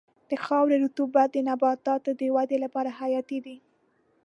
د خاورې رطوبت د نباتاتو د ودې لپاره حیاتي دی.